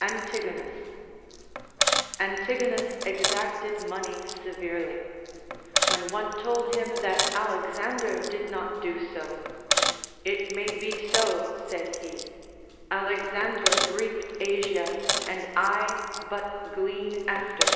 xA.NTiGONUS. Antigonus exacted money severely. When one told him that Alexander did not do so, It may be so, said he ; Alexander reaped Asia, and I but glean after him.